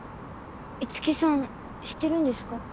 樹さん知ってるんですか？